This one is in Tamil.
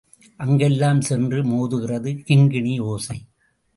அங்கெல்லாம் சென்று மோதுகிறது கிங்கிணி ஓசை.